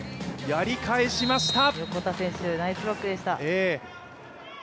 やり返しました。